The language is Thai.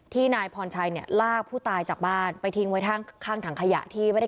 นายพรชัยเนี่ยลากผู้ตายจากบ้านไปทิ้งไว้ข้างข้างถังขยะที่ไม่ได้